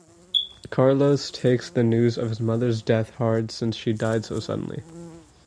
Carlos takes the news of his mother's death hard since she died so suddenly.